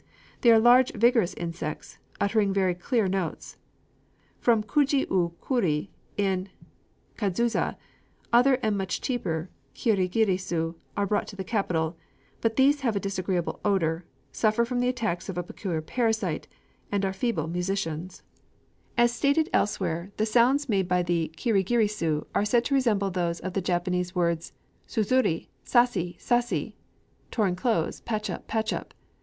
They are large vigorous insects, uttering very clear notes. From Kujiukuri in Kadzusa other and much cheaper kirigirisu are brought to the capital; but these have a disagreeable odor, suffer from the attacks of a peculiar parasite, and are feeble musicians. [Illustration: KIRIGIRISU (natural size).] As stated elsewhere, the sounds made by the kirigirisu are said to resemble those of the Japanese words, "Tsuzuré sasé! sasé!" (Torn clothes patch up! patch up!)